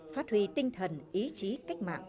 phát huy tinh thần ý chí cách mạng